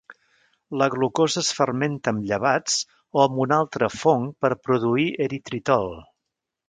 La glucosa es fermenta amb llevats o amb un altre fong per produir eritritol.